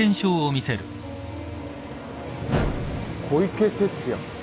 小池哲也。